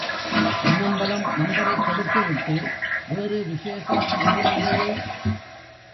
பொன்னம்பலம் நம்பரைக் கொடுத்துவிட்டு, வேறு விசேஷம் ஒன்றுமில்லையே?